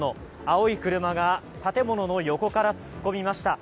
青い車が建物の横から突っ込みました。